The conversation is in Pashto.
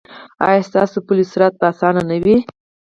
ایا ستاسو پل صراط به اسانه نه وي؟